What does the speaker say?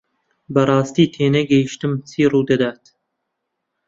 بەڕاستی تێنەگەیشتم چی ڕوودەدات.